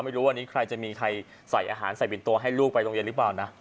ไม่รู้วันนี้ใครจะมีใครใส่อาหารใส่บินตัวให้ลูกไปโรงเรียนหรือเปล่านะ